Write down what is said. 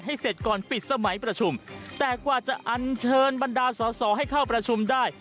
เสร็จก่อนปิดสมัยประชุมแต่กว่าจะอันเชิญบรรดาสอสอให้เข้าประชุมได้